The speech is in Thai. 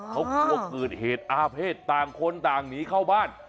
เขากลัวเกิดเหตุอาเภษต่างคนต่างหนีเข้าบ้าน